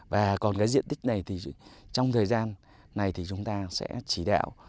và còn cái diện tích này thì trong thời gian này thì chúng ta sẽ chỉ đạo